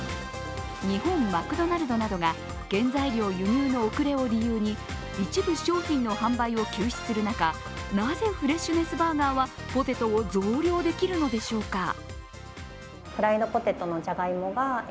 日本マクドナルドなどが原材料輸入の遅れを理由に一部商品の販売を休止する中なぜフレッシュネスバーガーはポテトを増量できるのでしょうか。